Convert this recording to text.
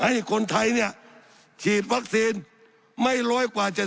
สับขาหลอกกันไปสับขาหลอกกันไป